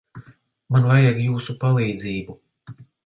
Man vajag jūsu palīdzību.